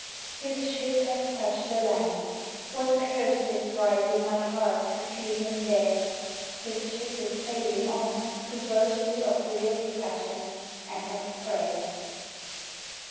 HIS ship has touched the land: what curses Rise in my heart to feel him there 1 His ship is sailing on to verses Of lyric passion and of prayer.